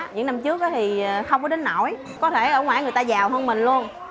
những năm trước thì không có đến nổi có thể ở ngoài người ta giàu hơn mình luôn